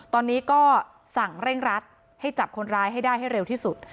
ตอนนี้ก็สั่งเร่งรัดให้จับคนร้ายให้ได้ให้เร็วที่สุด